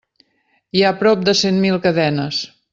Hi ha prop de cent mil cadenes.